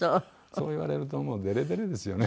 そう言われるともうデレデレですよね。